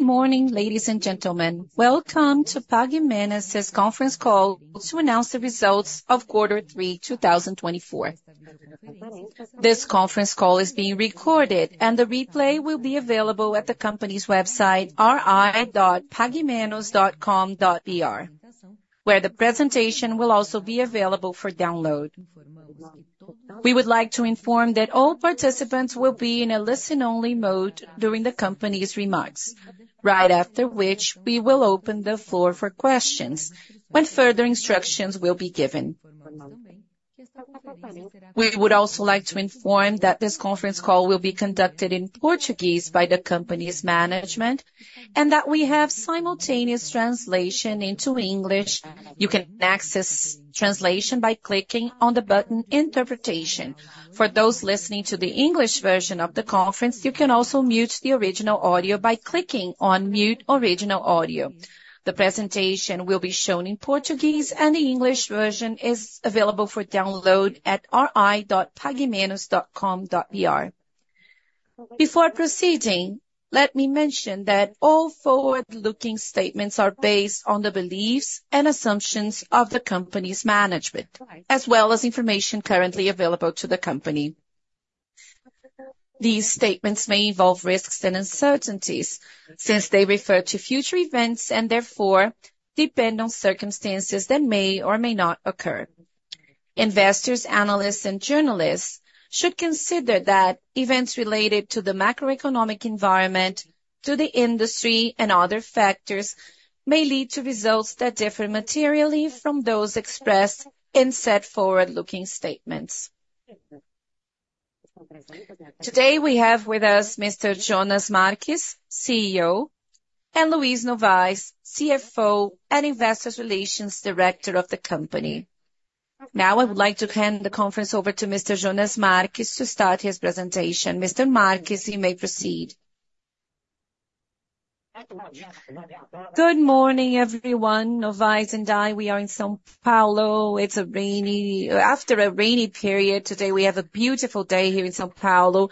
Good morning, ladies and gentlemen. Welcome to Pague Menos' conference call to announce the results of Quarter 3, 2024. This conference call is being recorded, and the replay will be available at the company's website, ri.paguemenos.com.br, where the presentation will also be available for download. We would like to inform that all participants will be in a listen-only mode during the company's remarks, right after which we will open the floor for questions when further instructions will be given. We would also like to inform that this conference call will be conducted in Portuguese by the company's management and that we have simultaneous translation into English. You can access translation by clicking on the button "Interpretation." For those listening to the English version of the conference, you can also mute the original audio by clicking on "Mute Original Audio." The presentation will be shown in Portuguese, and the English version is available for download at ri.paguemenos.com.br. Before proceeding, let me mention that all forward-looking statements are based on the beliefs and assumptions of the company's management, as well as information currently available to the company. These statements may involve risks and uncertainties since they refer to future events and therefore depend on circumstances that may or may not occur. Investors, analysts, and journalists should consider that events related to the macroeconomic environment, to the industry, and other factors may lead to results that differ materially from those expressed in said forward-looking statements. Today, we have with us Mr. Jonas Marques, CEO, and Luiz Novais, CFO and Investor Relations Director of the company. Now, I would like to hand the conference over to Mr. Jonas Marques to start his presentation. Mr. Marques, you may proceed. Good morning, everyone. Novais and I, we are in São Paulo. It's rainy after a rainy period. Today, we have a beautiful day here in São Paulo,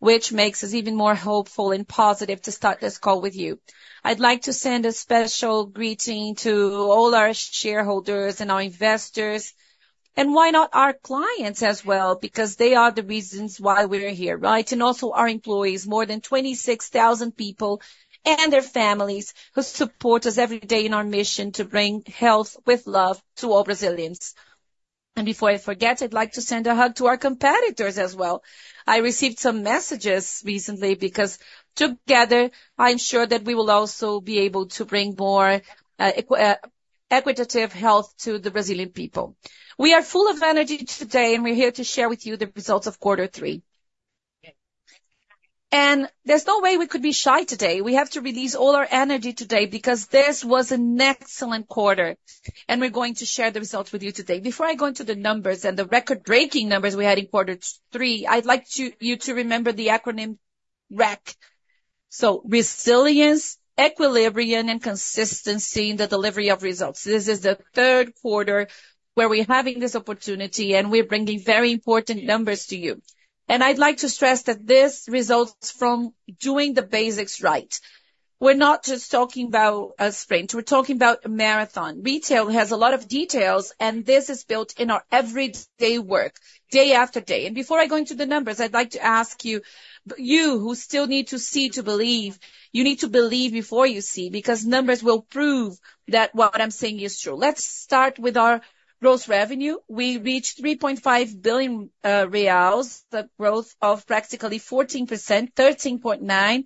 which makes us even more hopeful and positive to start this call with you. I'd like to send a special greeting to all our shareholders and our investors, and why not our clients as well, because they are the reasons why we're here, right? And also our employees, more than 26,000 people and their families who support us every day in our mission to bring health with love to all Brazilians. And before I forget, I'd like to send a hug to our competitors as well. I received some messages recently because together, I'm sure that we will also be able to bring more equitable health to the Brazilian people. We are full of energy today, and we're here to share with you the results of Quarter 3, and there's no way we could be shy today. We have to release all our energy today because this was an excellent quarter, and we're going to share the results with you today. Before I go into the numbers and the record-breaking numbers we had in Quarter 3, I'd like you to remember the acronym REC, so Resilience, Equilibrium, and Consistency in the Delivery of Results. This is the third quarter where we're having this opportunity, and we're bringing very important numbers to you, and I'd like to stress that this results from doing the basics right. We're not just talking about a sprint. We're talking about a marathon. Retail has a lot of details, and this is built in our everyday work, day after day. And before I go into the numbers, I'd like to ask you, you who still need to see to believe, you need to believe before you see because numbers will prove that what I'm saying is true. Let's start with our gross revenue. We reached 3.5 billion reais, the growth of practically 14%, 13.9%.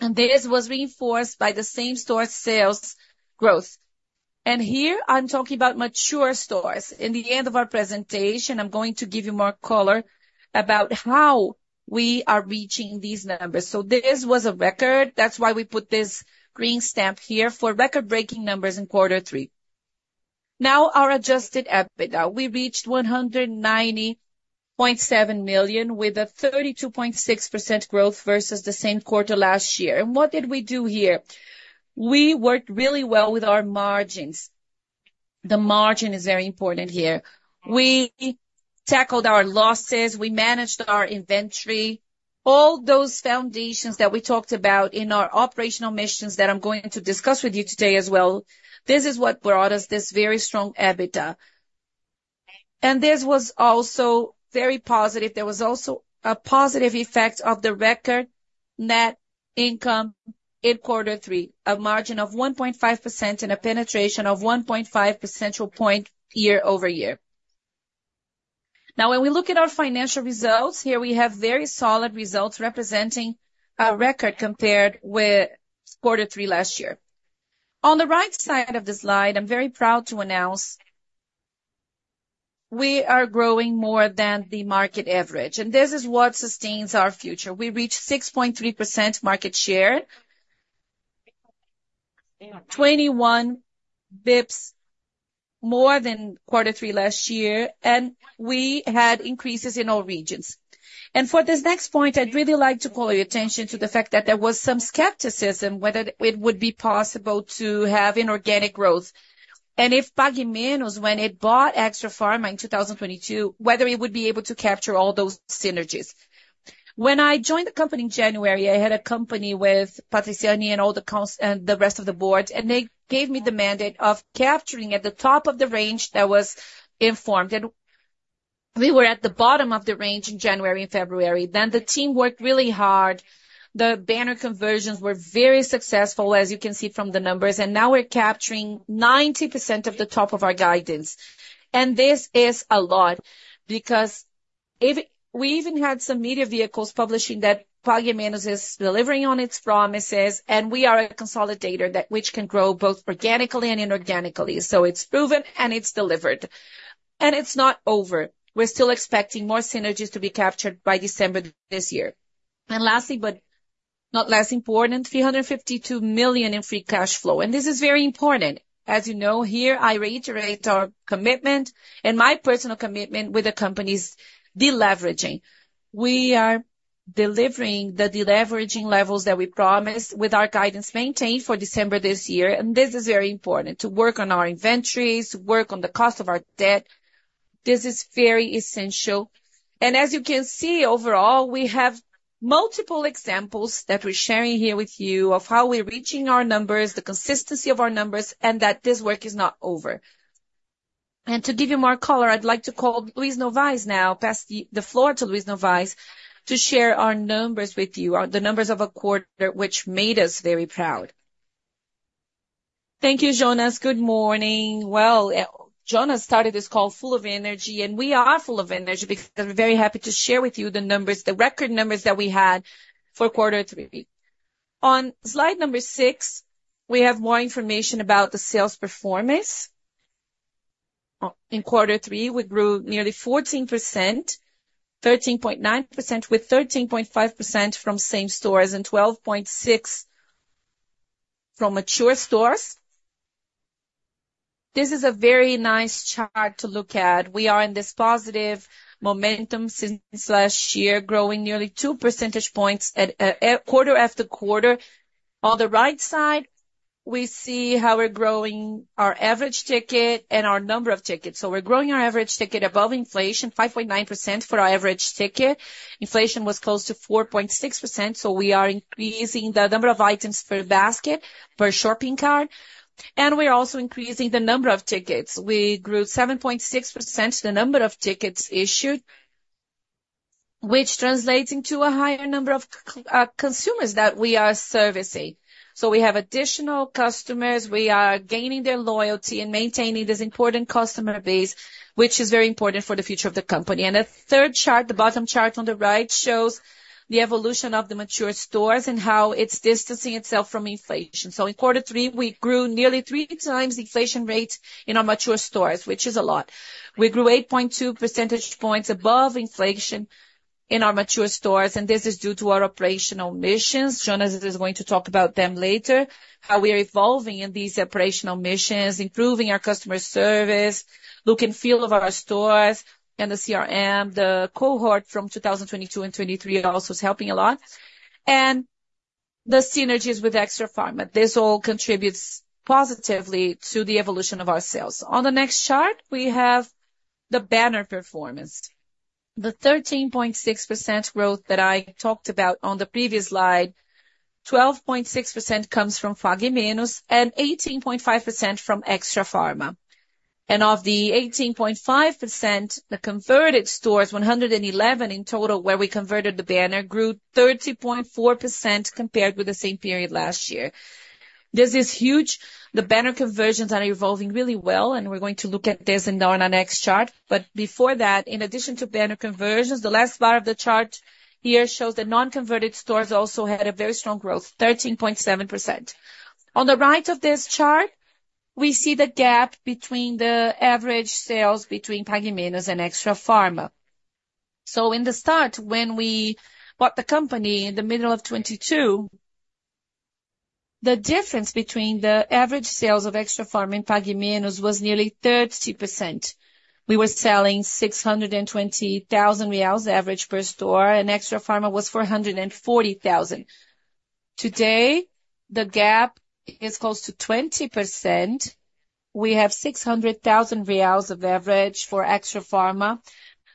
And this was reinforced by the same store sales growth. And here, I'm talking about mature stores. In the end of our presentation, I'm going to give you more color about how we are reaching these numbers. So this was a record. That's why we put this green stamp here for record-breaking numbers in Quarter 3. Now, our adjusted EBITDA. We reached 190.7 million with a 32.6% growth versus the same quarter last year. And what did we do here? We worked really well with our margins. The margin is very important here. We tackled our losses. We managed our inventory. All those foundations that we talked about in our operational missions that I'm going to discuss with you today as well, this is what brought us this very strong EBITDA, and this was also very positive. There was also a positive effect of the record net income in Quarter 3, a margin of 1.5% and a penetration of 1.5 percentage point year over year. Now, when we look at our financial results, here we have very solid results representing a record compared with Quarter 3 last year. On the right side of the slide, I'm very proud to announce we are growing more than the market average, and this is what sustains our future. We reached 6.3% market share, 21 basis points more than Quarter 3 last year, and we had increases in all regions. For this next point, I'd really like to call your attention to the fact that there was some skepticism whether it would be possible to have inorganic growth and if Pague Menos, when it bought Extrafarma in 2022, whether it would be able to capture all those synergies. When I joined the company in January, I had a company with Patriciana and all the rest of the board, and they gave me the mandate of capturing at the top of the range that was informed. We were at the bottom of the range in January and February. Then the team worked really hard. The banner conversions were very successful, as you can see from the numbers. Now we're capturing 90% of the top of our guidance. This is a lot because we even had some media vehicles publishing that Pague Menos is delivering on its promises, and we are a consolidator that can grow both organically and inorganically. So it's proven and it's delivered. It's not over. We're still expecting more synergies to be captured by December this year. Lastly, but not less important, 352 million in free cash flow. This is very important. As you know, here, I reiterate our commitment and my personal commitment with the company's deleveraging. We are delivering the deleveraging levels that we promised with our guidance maintained for December this year. This is very important to work on our inventories, to work on the cost of our debt. This is very essential. As you can see, overall, we have multiple examples that we're sharing here with you of how we're reaching our numbers, the consistency of our numbers, and that this work is not over. To give you more color, I'd like to call Luiz Novais now, pass the floor to Luiz Novais to share our numbers with you, the numbers of a quarter which made us very proud. Thank you, Jonas. Good morning. Jonas started this call full of energy, and we are full of energy because we're very happy to share with you the numbers, the record numbers that we had for Quarter 3. On slide number 6, we have more information about the sales performance. In Quarter 3, we grew nearly 14%, 13.9% with 13.5% from same stores and 12.6% from mature stores. This is a very nice chart to look at. We are in this positive momentum since last year, growing nearly two percentage points quarter after quarter. On the right side, we see how we're growing our average ticket and our number of tickets, so we're growing our average ticket above inflation, 5.9% for our average ticket. Inflation was close to 4.6%, so we are increasing the number of items per basket, per shopping cart, and we're also increasing the number of tickets. We grew 7.6%, the number of tickets issued, which translates into a higher number of consumers that we are servicing, so we have additional customers. We are gaining their loyalty and maintaining this important customer base, which is very important for the future of the company, and the third chart, the bottom chart on the right, shows the evolution of the mature stores and how it's distancing itself from inflation. In Quarter 3, we grew nearly three times the inflation rate in our mature stores, which is a lot. We grew 8.2 percentage points above inflation in our mature stores. This is due to our operational missions. Jonas is going to talk about them later, how we are evolving in these operational missions, improving our customer service, look and feel of our stores. The CRM, the cohort from 2022 and 2023 also is helping a lot. The synergies with Extrafarma. This all contributes positively to the evolution of our sales. On the next chart, we have the banner performance. The 13.6% growth that I talked about on the previous slide. 12.6% comes from Pague Menos and 18.5% from Extrafarma. Of the 18.5%, the converted stores, 111 in total, where we converted the banner, grew 30.4% compared with the same period last year. This is huge. The banner conversions are evolving really well, and we're going to look at this in our next chart. But before that, in addition to banner conversions, the last bar of the chart here shows that non-converted stores also had a very strong growth, 13.7%. On the right of this chart, we see the gap between the average sales between Pague Menos and Extrafarma. So in the start, when we bought the company in the middle of 2022, the difference between the average sales of Extrafarma and Pague Menos was nearly 30%. We were selling 620,000 reais average per store, and Extrafarma was 440,000. Today, the gap is close to 20%. We have 600,000 reais of average for Extrafarma,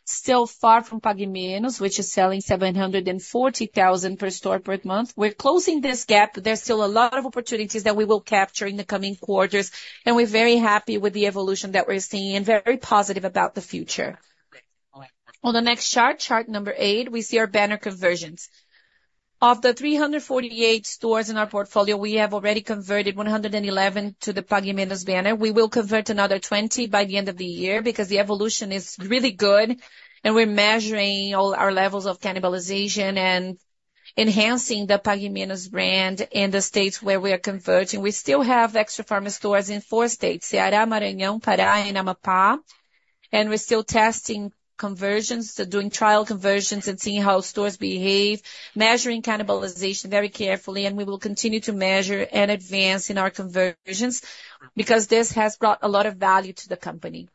still far from Pague Menos, which is selling 740,000 per store per month. We're closing this gap. There's still a lot of opportunities that we will capture in the coming quarters, and we're very happy with the evolution that we're seeing and very positive about the future. On the next chart, chart number 8, we see our banner conversions. Of the 348 stores in our portfolio, we have already converted 111 to the Pague Menos banner. We will convert another 20 by the end of the year because the evolution is really good, and we're measuring all our levels of cannibalization and enhancing the Pague Menos brand in the states where we are converting. We still have Extrafarma stores in four states, Ceará, Maranhão, Pará, and Amapá, and we're still testing conversions, doing trial conversions and seeing how stores behave, measuring cannibalization very carefully, and we will continue to measure and advance in our conversions because this has brought a lot of value to the company.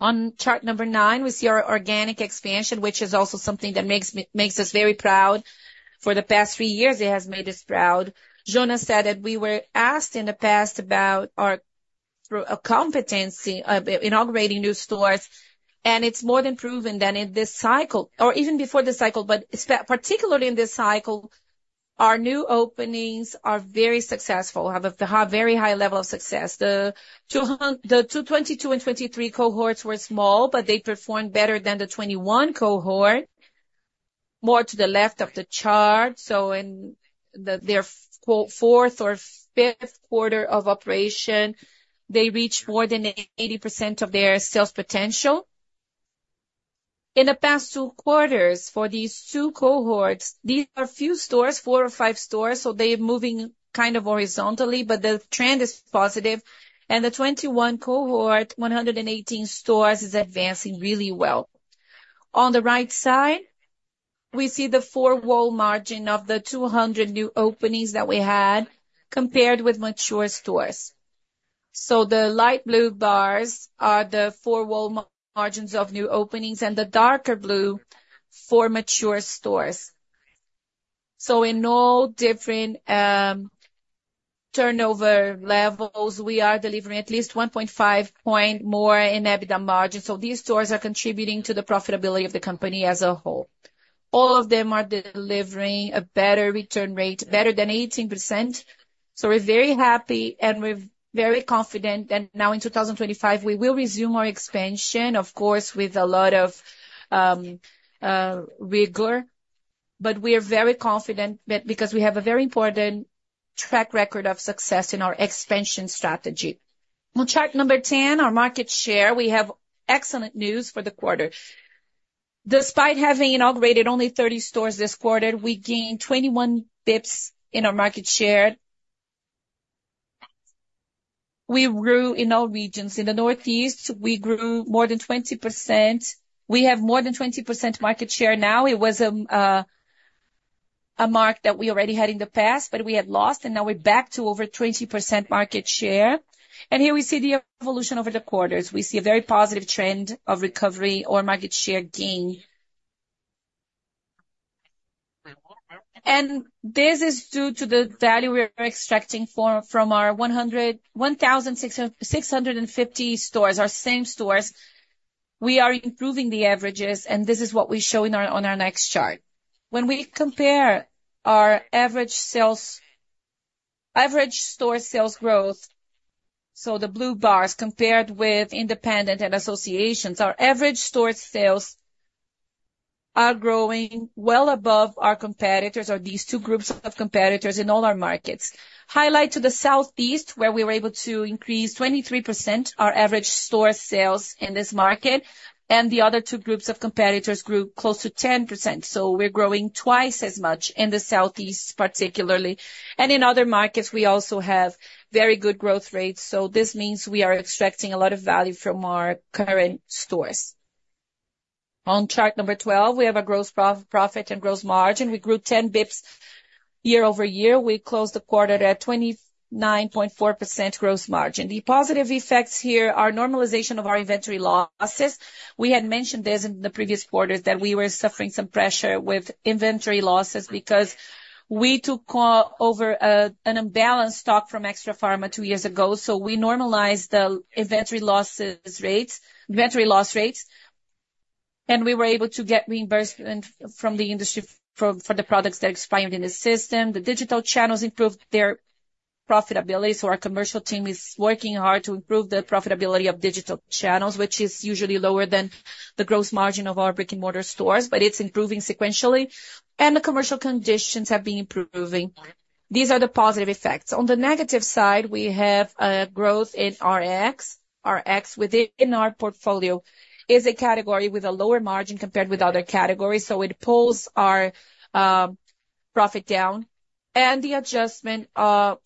On chart number nine, we see our organic expansion, which is also something that makes us very proud. For the past three years, it has made us proud. Jonas said that we were asked in the past about our competency of inaugurating new stores, and it's more than proven that in this cycle, or even before this cycle, but particularly in this cycle, our new openings are very successful, have a very high level of success. The 2022 and 2023 cohorts were small, but they performed better than the 2021 cohort, more to the left of the chart. So in their fourth or fifth quarter of operation, they reached more than 80% of their sales potential. In the past two quarters, for these two cohorts, these are few stores, four or five stores, so they're moving kind of horizontally, but the trend is positive. The 21 cohort, 118 stores is advancing really well. On the right side, we see the four-wall margin of the 200 new openings that we had compared with mature stores. The light blue bars are the four-wall margins of new openings, and the darker blue for mature stores. In all different turnover levels, we are delivering at least 1.5 point more in EBITDA margin. These stores are contributing to the profitability of the company as a whole. All of them are delivering a better return rate, better than 18%. We're very happy and we're very confident that now in 2025, we will resume our expansion, of course, with a lot of rigor. We are very confident because we have a very important track record of success in our expansion strategy. On chart number 10, our market share, we have excellent news for the quarter. Despite having inaugurated only 30 stores this quarter, we gained 21 basis points in our market share. We grew in all regions. In the Northeast, we grew more than 20%. We have more than 20% market share now. It was a mark that we already had in the past, but we had lost, and now we're back to over 20% market share, and here we see the evolution over the quarters. We see a very positive trend of recovery or market share gain, and this is due to the value we are extracting from our 1,650 stores, our same stores. We are improving the averages, and this is what we show on our next chart. When we compare our average store sales growth, so the blue bars compared with independent and associations, our average store sales are growing well above our competitors or these two groups of competitors in all our markets. Highlight to the Southeast, where we were able to increase 23% our average store sales in this market, and the other two groups of competitors grew close to 10%. So we're growing twice as much in the Southeast, particularly, and in other markets, we also have very good growth rates. So this means we are extracting a lot of value from our current stores. On chart number 12, we have a gross profit and gross margin. We grew 10 basis points year over year. We closed the quarter at 29.4% gross margin. The positive effects here are normalization of our inventory losses. We had mentioned this in the previous quarters that we were suffering some pressure with inventory losses because we took over an unbalanced stock from Extrafarma two years ago. So we normalized the inventory loss rates, inventory loss rates, and we were able to get reimbursement from the industry for the products that expired in the system. The digital channels improved their profitability. So our commercial team is working hard to improve the profitability of digital channels, which is usually lower than the gross margin of our brick-and-mortar stores, but it's improving sequentially. And the commercial conditions have been improving. These are the positive effects. On the negative side, we have a growth in RX. RX within our portfolio is a category with a lower margin compared with other categories. So it pulls our profit down and the adjustment of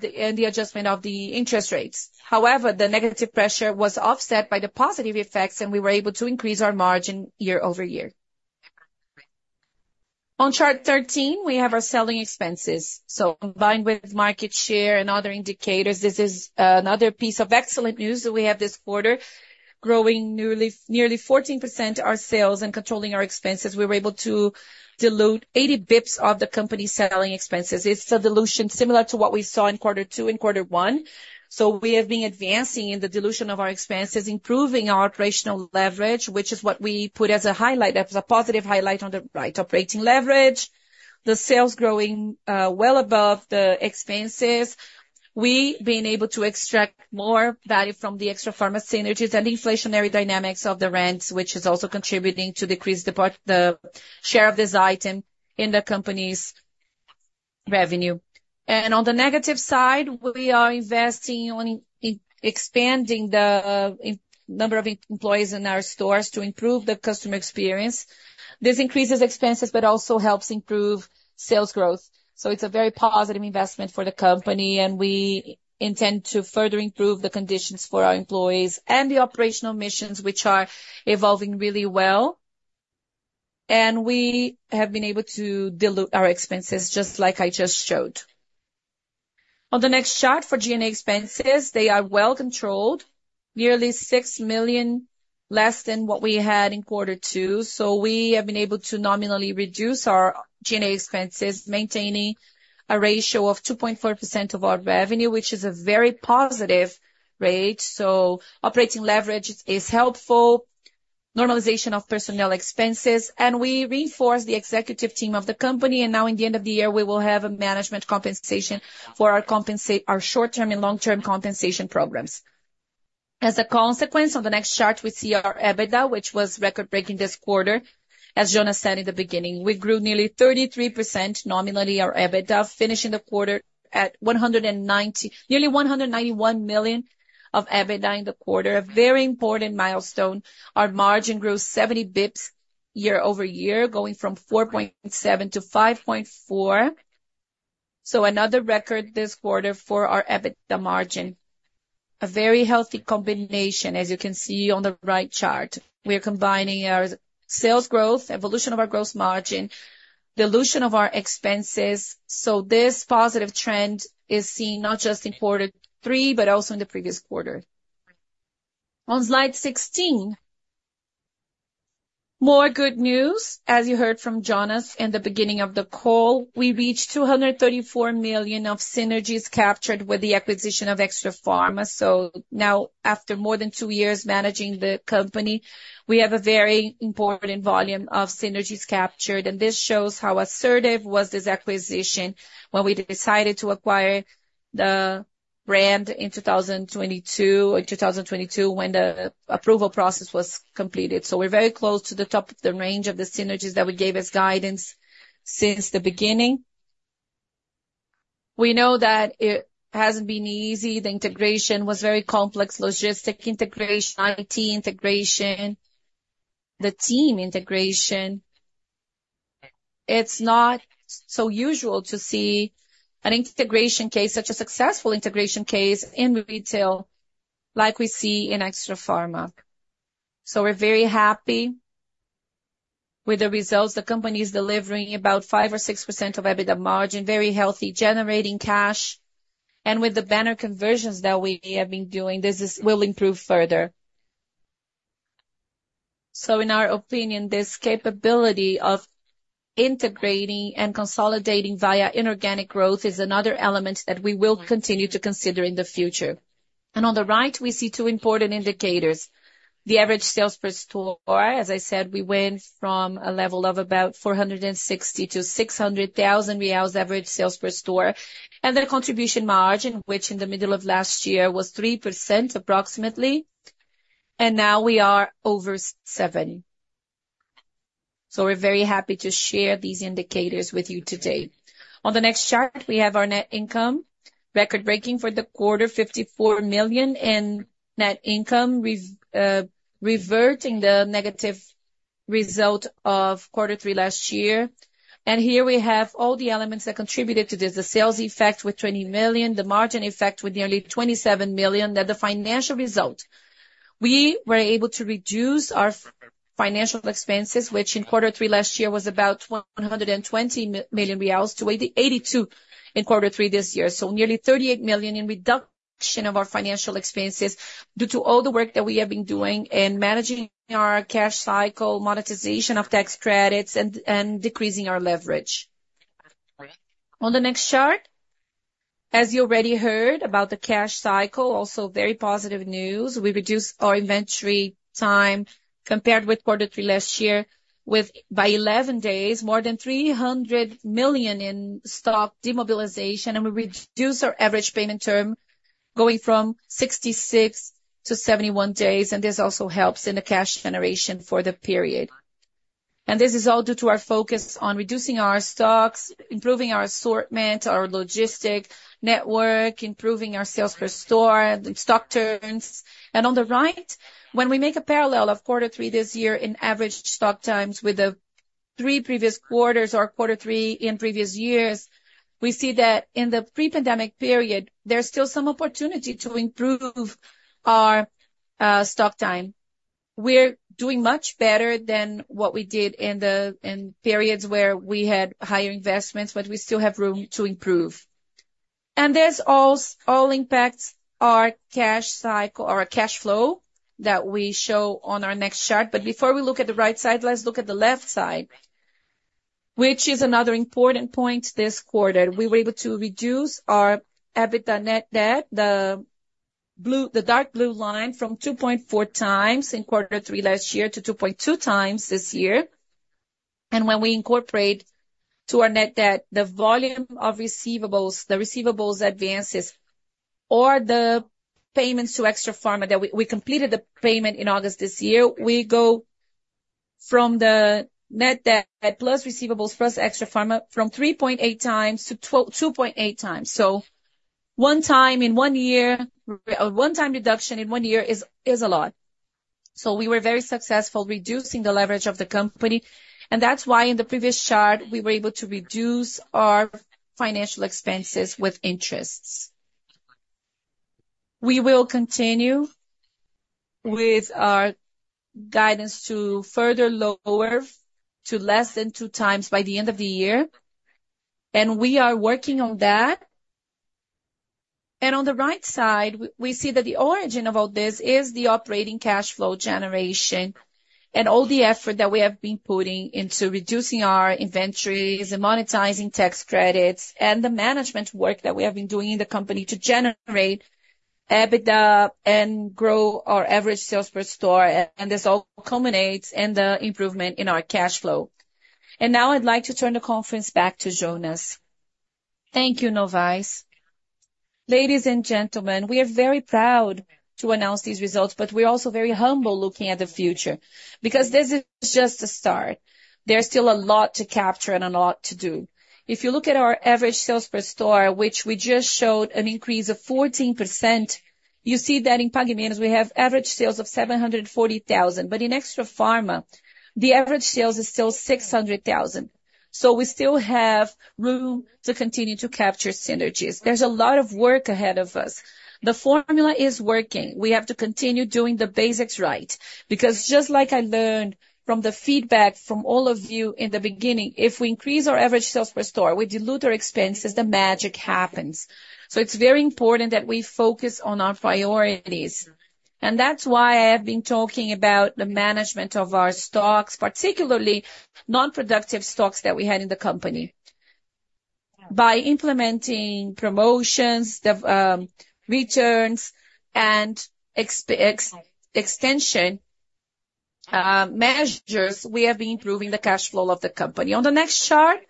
the interest rates. However, the negative pressure was offset by the positive effects, and we were able to increase our margin year over year. On Chart 13, we have our selling expenses. So combined with market share and other indicators, this is another piece of excellent news that we have this quarter, growing nearly 14% our sales and controlling our expenses. We were able to dilute 80 basis points of the company's selling expenses. It's a dilution similar to what we saw in quarter two and quarter one. So we have been advancing in the dilution of our expenses, improving our operational leverage, which is what we put as a highlight, as a positive highlight on the right, operating leverage. The sales growing well above the expenses. We've been able to extract more value from the Extrafarma synergies and inflationary dynamics of the rents, which is also contributing to decrease the share of this item in the company's revenue. And on the negative side, we are investing in expanding the number of employees in our stores to improve the customer experience. This increases expenses, but also helps improve sales growth. So it's a very positive investment for the company, and we intend to further improve the conditions for our employees and the operational missions, which are evolving really well. And we have been able to dilute our expenses, just like I just showed. On the next chart for G&A expenses, they are well controlled, nearly 6 million less than what we had in quarter two. We have been able to nominally reduce our G&A expenses, maintaining a ratio of 2.4% of our revenue, which is a very positive rate. Operating leverage is helpful, normalization of personnel expenses, and we reinforce the executive team of the company. Now, in the end of the year, we will have a management compensation for our short-term and long-term compensation programs. As a consequence, on the next chart, we see our EBITDA, which was record-breaking this quarter. As Jonas said in the beginning, we grew nearly 33% nominally our EBITDA, finishing the quarter at nearly R$191 million of EBITDA in the quarter, a very important milestone. Our margin grew 70 basis points year over year, going from 4.7% to 5.4%. Another record this quarter for our EBITDA margin, a very healthy combination, as you can see on the right chart. We are combining our sales growth, evolution of our gross margin, dilution of our expenses, so this positive trend is seen not just in quarter three, but also in the previous quarter. On slide 16, more good news, as you heard from Jonas in the beginning of the call. We reached 234 million of synergies captured with the acquisition of Extrafarma. So now, after more than two years managing the company, we have a very important volume of synergies captured, and this shows how assertive was this acquisition when we decided to acquire the brand in 2022, in 2022, when the approval process was completed. So we're very close to the top of the range of the synergies that we gave as guidance since the beginning. We know that it hasn't been easy. The integration was very complex, logistic integration, IT integration, the team integration. It's not so usual to see an integration case, such a successful integration case in retail like we see in Extrafarma. So we're very happy with the results. The company is delivering about 5 or 6% EBITDA margin, very healthy, generating cash. And with the banner conversions that we have been doing, this will improve further. So in our opinion, this capability of integrating and consolidating via inorganic growth is another element that we will continue to consider in the future. And on the right, we see two important indicators. The average sales per store, as I said, we went from a level of about R$460,000-R$600,000 average sales per store. And the contribution margin, which in the middle of last year was approximately 3%, and now we are over 70%. So we're very happy to share these indicators with you today. On the next chart, we have our net income, record-breaking for the quarter, 54 million in net income, reverting the negative result of quarter three last year, and here we have all the elements that contributed to this, the sales effect with 20 million, the margin effect with nearly 27 million, and the financial result. We were able to reduce our financial expenses, which in quarter three last year was about 120 million reals to 82 million in quarter three this year, so nearly 38 million in reduction of our financial expenses due to all the work that we have been doing in managing our cash cycle, monetization of tax credits, and decreasing our leverage. On the next chart, as you already heard about the cash cycle, also very positive news. We reduced our inventory time compared with quarter three last year by 11 days, more than 300 million in stock demobilization, and we reduced our average payment term going from 66 to 71 days, and this also helps in the cash generation for the period, and this is all due to our focus on reducing our stocks, improving our assortment, our logistic network, improving our sales per store, and stock turns, and on the right, when we make a parallel of quarter three this year in average stock times with the three previous quarters or quarter three in previous years, we see that in the pre-pandemic period, there's still some opportunity to improve our stock time. We're doing much better than what we did in the periods where we had higher investments, but we still have room to improve. And this all impacts our cash cycle or our cash flow that we show on our next chart. But before we look at the right side, let's look at the left side, which is another important point this quarter. We were able to reduce our EBITDA net debt, the dark blue line, from 2.4 times in quarter three last year to 2.2 times this year. And when we incorporate to our net debt, the volume of receivables, the receivables advances, or the payments to Extrafarma that we completed the payment in August this year, we go from the net debt plus receivables plus Extrafarma from 3.8 times to 2.8 times. So one time in one year, one time reduction in one year is a lot. So we were very successful reducing the leverage of the company. And that's why in the previous chart, we were able to reduce our financial expenses with interests. We will continue with our guidance to further lower to less than two times by the end of the year. And we are working on that. And on the right side, we see that the origin of all this is the operating cash flow generation and all the effort that we have been putting into reducing our inventories and monetizing tax credits and the management work that we have been doing in the company to generate EBITDA and grow our average sales per store. And this all culminates in the improvement in our cash flow. And now I'd like to turn the conference back to Jonas. Thank you, Novais.Ladies and gentlemen, we are very proud to announce these results, but we're also very humble looking at the future because this is just the start. There's still a lot to capture and a lot to do. If you look at our average sales per store, which we just showed an increase of 14%, you see that in Pague Menos, we have average sales of 740,000. But in Extrafarma, the average sales is still 600,000. So we still have room to continue to capture synergies. There's a lot of work ahead of us. The formula is working. We have to continue doing the basics right because just like I learned from the feedback from all of you in the beginning, if we increase our average sales per store, we dilute our expenses, the magic happens. So it's very important that we focus on our priorities. That's why I have been talking about the management of our stocks, particularly non-productive stocks that we had in the company. By implementing promotions, returns, and extension measures, we have been improving the cash flow of the company. On the next chart,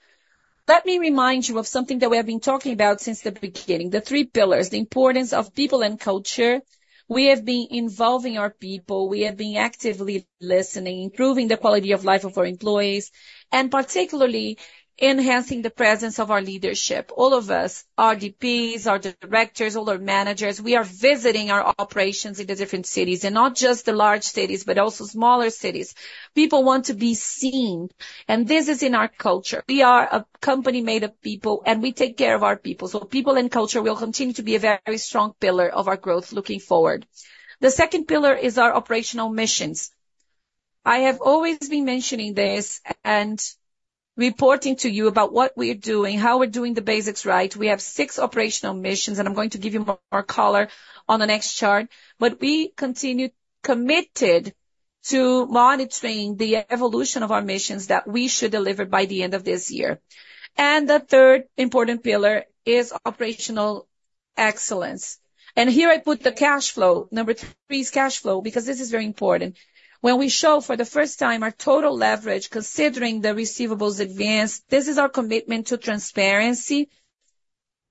let me remind you of something that we have been talking about since the beginning, the three pillars, the importance of people and culture. We have been involving our people. We have been actively listening, improving the quality of life of our employees, and particularly enhancing the presence of our leadership. All of us, our DPs, our directors, all our managers, we are visiting our operations in the different cities, and not just the large cities, but also smaller cities. People want to be seen. This is in our culture. We are a company made of people, and we take care of our people. So people and culture will continue to be a very strong pillar of our growth looking forward. The second pillar is our operational missions. I have always been mentioning this and reporting to you about what we're doing, how we're doing the basics right. We have six operational missions, and I'm going to give you more color on the next chart. But we continue committed to monitoring the evolution of our missions that we should deliver by the end of this year. And the third important pillar is operational excellence. And here I put the cash flow. Number three is cash flow because this is very important. When we show for the first time our total leverage, considering the receivables advance, this is our commitment to transparency,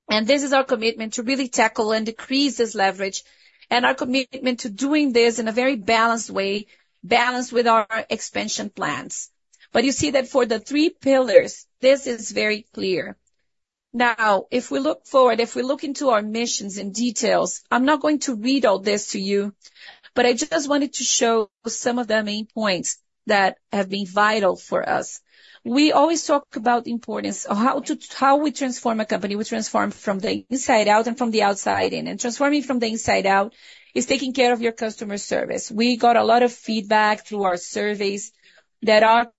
and this is our commitment to really tackle and decrease this leverage, and our commitment to doing this in a very balanced way, balanced with our expansion plans, but you see that for the three pillars, this is very clear. Now, if we look forward, if we look into our missions in details, I'm not going to read all this to you, but I just wanted to show some of the main points that have been vital for us. We always talk about the importance of how we transform a company. We transform from the inside out and from the outside in. Transforming from the inside out is taking care of your customer service. We got a lot of feedback through our surveys that our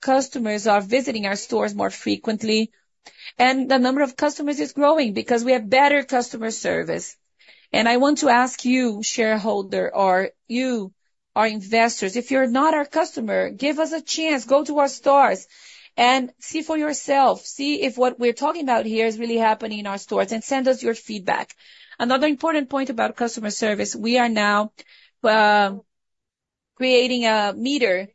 customers are visiting our stores more frequently, and the number of customers is growing because we have better customer service, and I want to ask you, shareholder, or you, our investors, if you're not our customer, give us a chance, go to our stores and see for yourself, see if what we're talking about here is really happening in our stores, and send us your feedback. Another important point about customer service, we are now creating a meter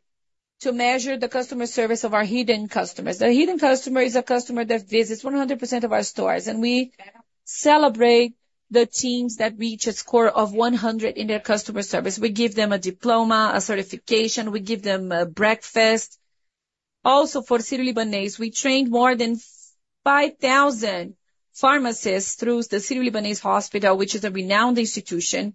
to measure the customer service of our hidden customers. The hidden customer is a customer that visits 100% of our stores, and we celebrate the teams that reach a score of 100 in their customer service. We give them a diploma, a certification. We give them breakfast. Also, for Hospital Sírio-Libanês, we trained more than 5,000 pharmacists through the Hospital Sírio-Libanês, which is a renowned institution,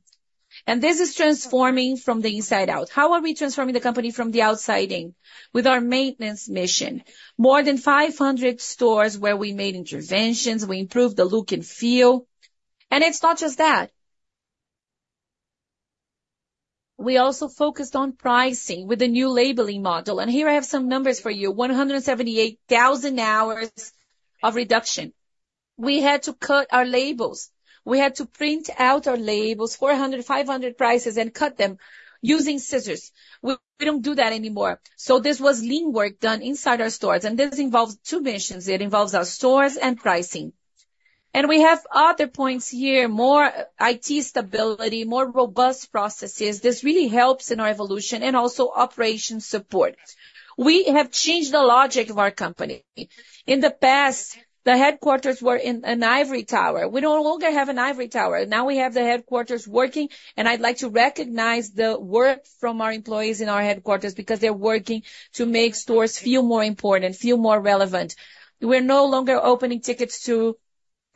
and this is transforming from the inside out. How are we transforming the company from the outside in with our maintenance mission? More than 500 stores where we made interventions. We improved the look and feel, and it's not just that. We also focused on pricing with the new labeling model, and here I have some numbers for you: 178,000 hours of reduction. We had to cut our labels. We had to print out our labels, 400-500 prices, and cut them using scissors. We don't do that anymore, so this was lean work done inside our stores, and this involves two missions. It involves our stores and pricing, and we have other points here, more IT stability, more robust processes. This really helps in our evolution and also operation support. We have changed the logic of our company. In the past, the headquarters were in an ivory tower. We no longer have an ivory tower. Now we have the headquarters working, and I'd like to recognize the work from our employees in our headquarters because they're working to make stores feel more important, feel more relevant. We're no longer opening tickets to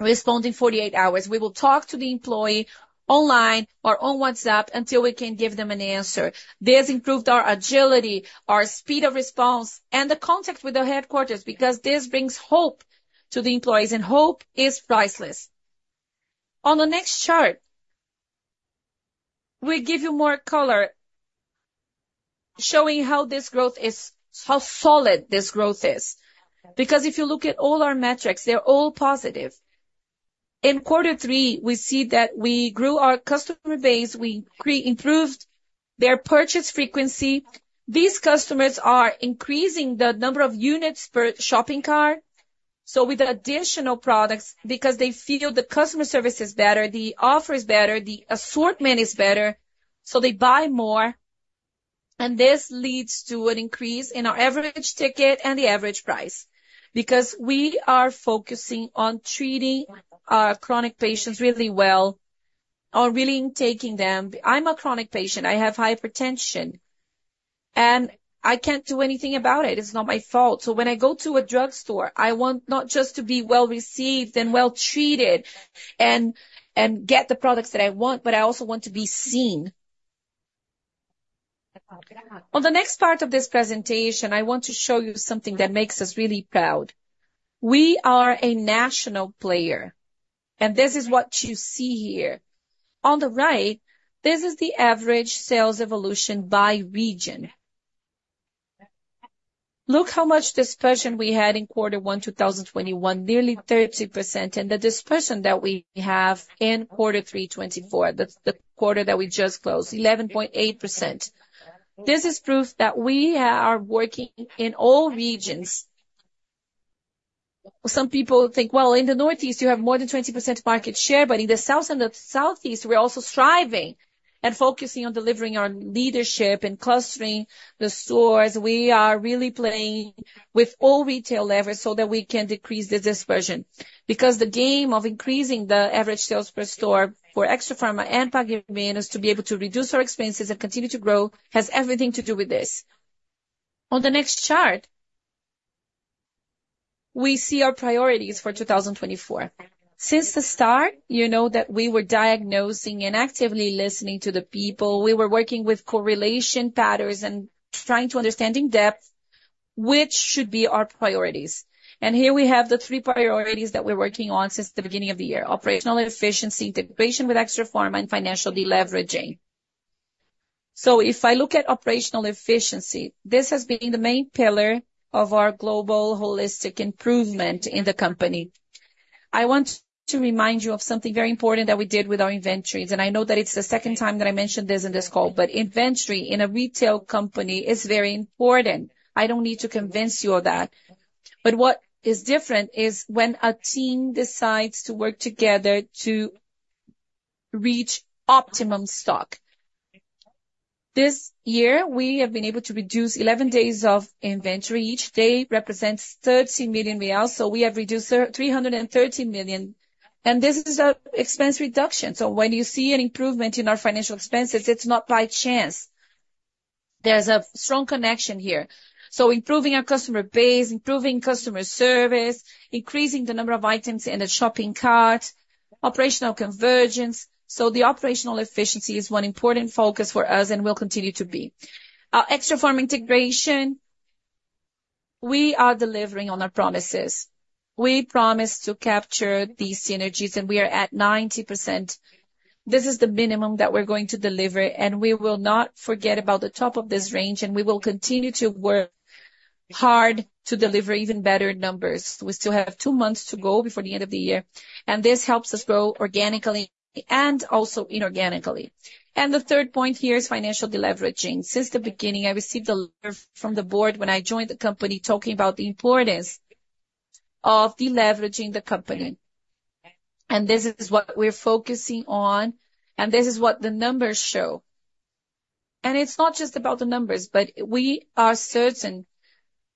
respond in 48 hours. We will talk to the employee online or on WhatsApp until we can give them an answer. This improved our agility, our speed of response, and the contact with the headquarters because this brings hope to the employees, and hope is priceless. On the next chart, we give you more color showing how this growth is, how solid this growth is. Because if you look at all our metrics, they're all positive. In quarter three, we see that we grew our customer base. We improved their purchase frequency. These customers are increasing the number of units per shopping cart so with additional products, because they feel the customer service is better, the offer is better, the assortment is better, so they buy more and this leads to an increase in our average ticket and the average price because we are focusing on treating our chronic patients really well or really intaking them. I'm a chronic patient. I have hypertension, and I can't do anything about it. It's not my fault so when I go to a drug store, I want not just to be well-received and well-treated and get the products that I want, but I also want to be seen. On the next part of this presentation, I want to show you something that makes us really proud. We are a national player, and this is what you see here. On the right, this is the average sales evolution by region. Look how much dispersion we had in quarter one 2021, nearly 30%. And the dispersion that we have in quarter three 2024, that's the quarter that we just closed, 11.8%. This is proof that we are working in all regions. Some people think, "Well, in the Northeast, you have more than 20% market share," but in the South and the Southeast, we're also striving and focusing on delivering our leadership and clustering the stores. We are really playing with all retail levers so that we can decrease this dispersion because the game of increasing the average sales per store for Extrafarma and Pague Menos to be able to reduce our expenses and continue to grow has everything to do with this. On the next chart, we see our priorities for 2024. Since the start, you know that we were diagnosing and actively listening to the people. We were working with correlation patterns and trying to understand in depth which should be our priorities. And here we have the three priorities that we're working on since the beginning of the year: operational efficiency, integration with Extrafarma, and financial deleveraging. So if I look at operational efficiency, this has been the main pillar of our global holistic improvement in the company. I want to remind you of something very important that we did with our inventories. And I know that it's the second time that I mentioned this in this call, but inventory in a retail company is very important. I don't need to convince you of that. What is different is when a team decides to work together to reach optimum stock. This year, we have been able to reduce 11 days of inventory. Each day represents 30 million reais. So we have reduced 330 million reais. And this is an expense reduction. So when you see an improvement in our financial expenses, it's not by chance. There's a strong connection here. So improving our customer base, improving customer service, increasing the number of items in the shopping cart, operational convergence. So the operational efficiency is one important focus for us and will continue to be. Our Extrafarma integration, we are delivering on our promises. We promised to capture these synergies, and we are at 90%. This is the minimum that we're going to deliver, and we will not forget about the top of this range, and we will continue to work hard to deliver even better numbers. We still have two months to go before the end of the year, and this helps us grow organically and also inorganically, and the third point here is financial deleveraging. Since the beginning, I received a letter from the board when I joined the company talking about the importance of deleveraging the company, and this is what we're focusing on, and this is what the numbers show, and it's not just about the numbers, but we are certain.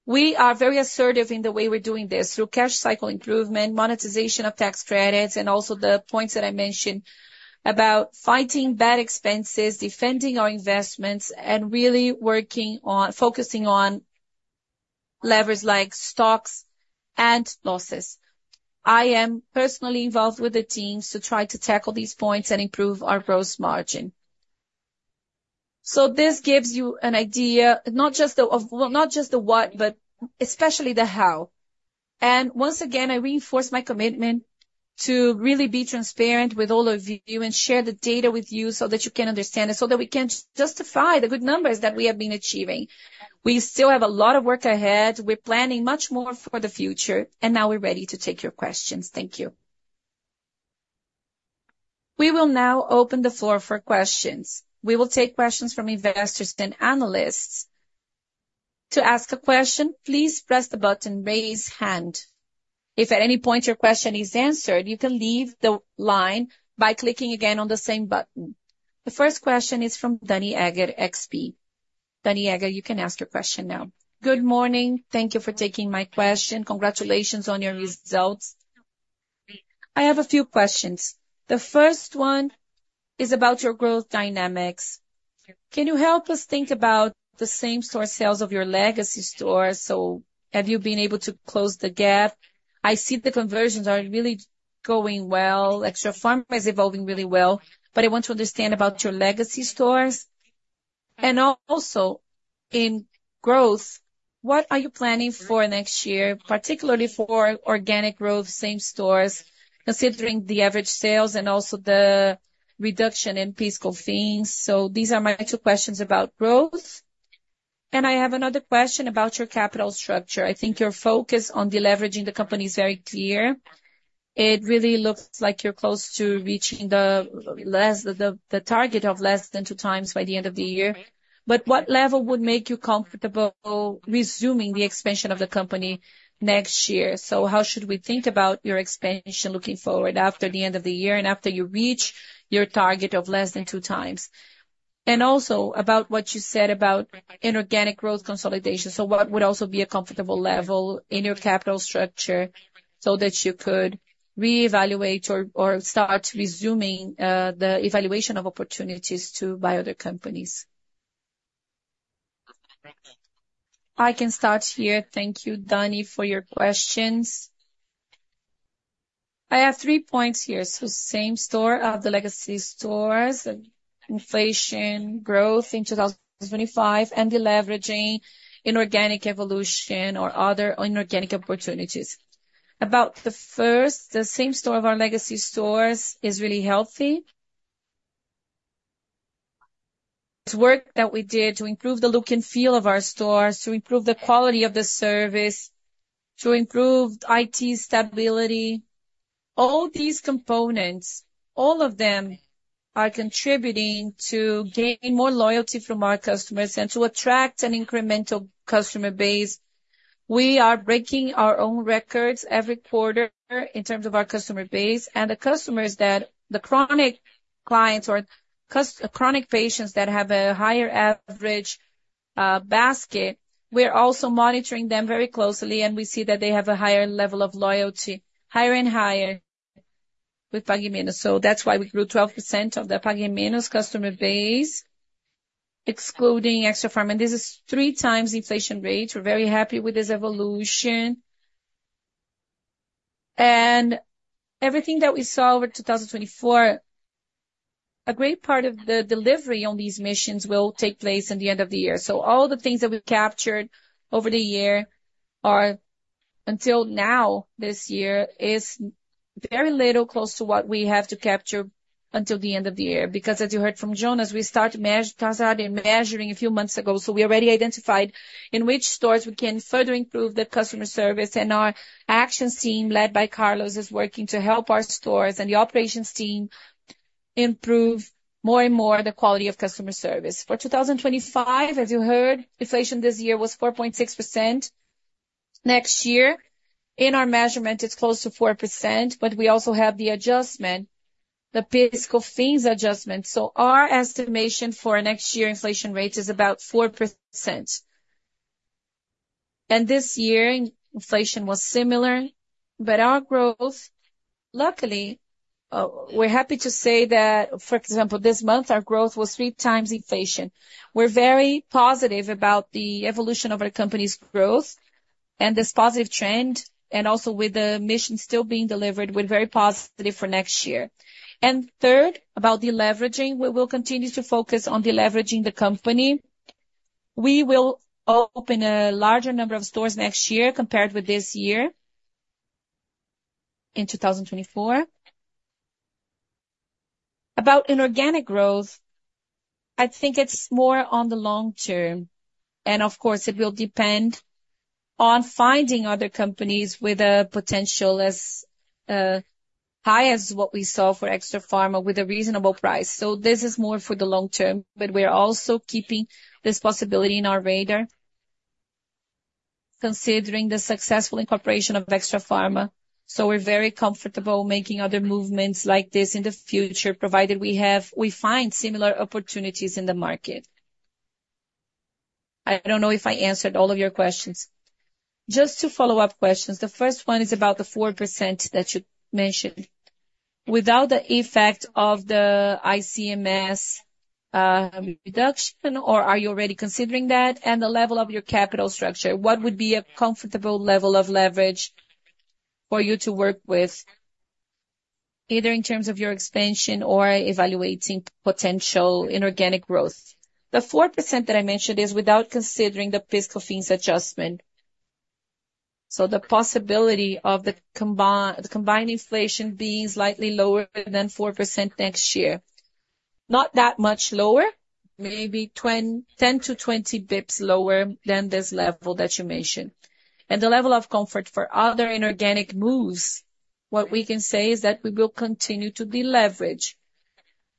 We are very assertive in the way we're doing this through cash cycle improvement, monetization of tax credits, and also the points that I mentioned about fighting bad expenses, defending our investments, and really working on focusing on levers like stocks and losses. I am personally involved with the teams to try to tackle these points and improve our gross margin. So this gives you an idea, not just the what, but especially the how. And once again, I reinforce my commitment to really be transparent with all of you and share the data with you so that you can understand it, so that we can justify the good numbers that we have been achieving. We still have a lot of work ahead. We're planning much more for the future, and now we're ready to take your questions. Thank you. We will now open the floor for questions. We will take questions from investors and analysts. To ask a question, please press the button raise hand. If at any point your question is answered, you can leave the line by clicking again on the same button. The first question is from Daniela Eiger, XP. Daniela Eiger, you can ask your question now. Good morning. Thank you for taking my question. Congratulations on your results. I have a few questions. The first one is about your growth dynamics. Can you help us think about the same store sales of your legacy stores? So have you been able to close the gap? I see the conversions are really going well. Extrafarma is evolving really well, but I want to understand about your legacy stores. Also in growth, what are you planning for next year, particularly for organic growth, same stores, considering the average sales and also the reduction in PIS/COFINS things? These are my two questions about growth. I have another question about your capital structure. I think your focus on deleveraging the company is very clear. It really looks like you're close to reaching the target of less than two times by the end of the year. What level would make you comfortable resuming the expansion of the company next year? How should we think about your expansion looking forward after the end of the year and after you reach your target of less than two times? Also about what you said about inorganic growth consolidation. So what would also be a comfortable level in your capital structure so that you could reevaluate or start resuming the evaluation of opportunities to buy other companies? I can start here. Thank you, Danniela, for your questions. I have three points here. So same store of the legacy stores, inflation, growth in 2025, and deleveraging inorganic evolution or other inorganic opportunities. About the first, the same store of our legacy stores is really healthy. It's work that we did to improve the look and feel of our stores, to improve the quality of the service, to improve IT stability. All these components, all of them are contributing to gain more loyalty from our customers and to attract an incremental customer base. We are breaking our own records every quarter in terms of our customer base and the customers that the chronic clients or chronic patients that have a higher average basket. We're also monitoring them very closely, and we see that they have a higher level of loyalty, higher and higher with Pague Menos. So that's why we grew 12% of the Pague Menos customer base, excluding Extrafarma. This is three times inflation rate. We're very happy with this evolution. And everything that we saw over 2024, a great part of the delivery on these missions will take place in the end of the year. So all the things that we captured over the year are until now this year is very little close to what we have to capture until the end of the year because, as you heard from Jonas, we started measuring a few months ago. So we already identified in which stores we can further improve the customer service. And our action team led by Carlos is working to help our stores and the operations team improve more and more the quality of customer service. For 2025, as you heard, inflation this year was 4.6%. Next year, in our measurement, it's close to 4%, but we also have the adjustment, the PIS/COFINS adjustment. So our estimation for next year's inflation rate is about 4%. And this year, inflation was similar, but our growth, luckily, we're happy to say that, for example, this month, our growth was three times inflation. We're very positive about the evolution of our company's growth and this positive trend, and also with the mission still being delivered, we're very positive for next year. And third, about deleveraging, we will continue to focus on deleveraging the company. We will open a larger number of stores next year compared with this year in 2024. About inorganic growth, I think it's more on the long term, and of course, it will depend on finding other companies with a potential as high as what we saw for Extrafarma with a reasonable price, so this is more for the long term, but we're also keeping this possibility in our radar, considering the successful incorporation of Extrafarma, so we're very comfortable making other movements like this in the future, provided we find similar opportunities in the market. I don't know if I answered all of your questions. Just two follow-up questions. The first one is about the 4% that you mentioned. Without the effect of the ICMS reduction, or are you already considering that? The level of your capital structure, what would be a comfortable level of leverage for you to work with, either in terms of your expansion or evaluating potential inorganic growth? The 4% that I mentioned is without considering the PIS/COFINS adjustment. The possibility of the combined inflation being slightly lower than 4% next year, not that much lower, maybe 10 to 20 basis points lower than this level that you mentioned. The level of comfort for other inorganic moves, what we can say is that we will continue to deleverage.